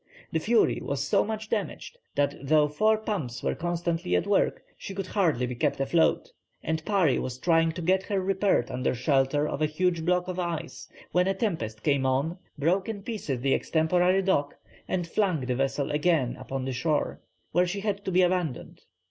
The Fury was so much damaged that though four pumps were constantly at work she could hardly be kept afloat, and Parry was trying to get her repaired under shelter of a huge block of ice when a tempest came on, broke in pieces the extemporary dock and flung the vessel again upon the shore, where she had to be abandoned.